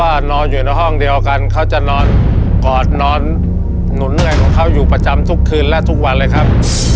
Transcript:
นอนอยู่ในห้องเดียวกันเขาจะนอนกอดนอนหนุนเหนื่อยของเขาอยู่ประจำทุกคืนและทุกวันเลยครับ